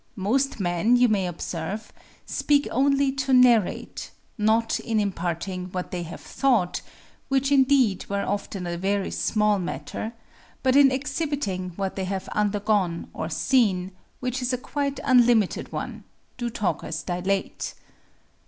Most men, you may observe, speak only to narrate; not in imparting what they have thought, which indeed were often a very small matter, but in exhibiting what they have undergone or seen, which is a quite unlimited one, do talkers dilate.